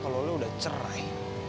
kalau lo udah cerai